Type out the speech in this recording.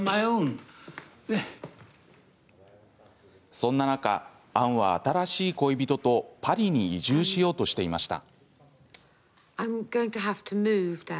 そんな中、アンは新しい恋人とパリに移住しようとしていました。